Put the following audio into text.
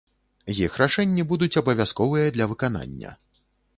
Іх рашэнні будуць абавязковыя для выканання.